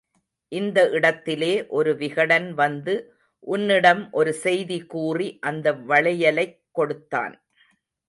இந்த இடத்திலே, ஒரு விகடன் வந்து உன்னிடம் ஒரு செய்தி கூறி அந்த வளையலைக் கொடுத்தான்.